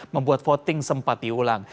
membuat voting sempat diulang